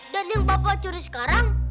dan yang bapak curi sekarang